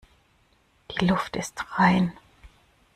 Die Luft ist rein.